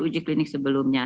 uji klinik sebelumnya